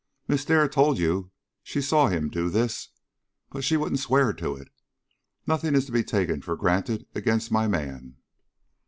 Miss Dare told you she saw him do this, but she wouldn't swear to it. Nothing is to be taken for granted against my man."